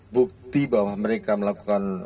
bukti bahwa mereka melakukan